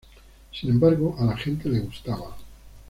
Sin embargo, a la gente le gustaba.